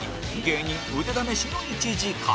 芸人腕試しの１時間